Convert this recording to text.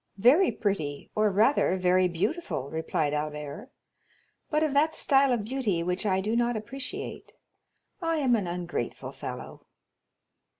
"Very pretty, or rather, very beautiful," replied Albert, "but of that style of beauty which I do not appreciate; I am an ungrateful fellow."